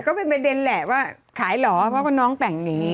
แต่ก็เป็นเบนเดนแหละว่าขายเหรอว่าน้องแต่งนี้